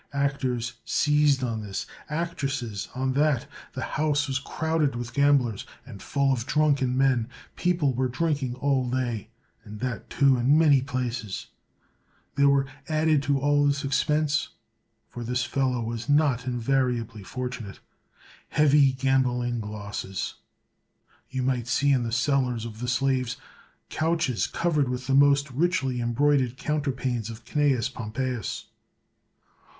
Actors seized on this, actresses on that; the house was crowded with gamblers, and full of drunken men ; people were drinking all day, and that, too, in many places; 190 CICERO there were added to all this expense (for this fellow was not invariably fortunate) heavy gam bling losses. You might see in the cellars of the slaves couches covered with the most richly embroidered counterpanes of CnaBus Pompeius.